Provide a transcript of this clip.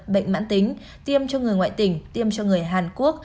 bệnh mãn tính tiêm cho người ngoại tỉnh tiêm cho người hàn quốc